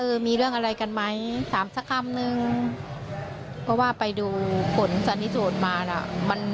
เอ็อมีเรื่องอะไรกันไหมเธอบอกว่าน่าจะถามบ้างว่า